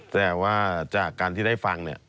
แต่ว่าจากการที่ได้ฟังเนี่ย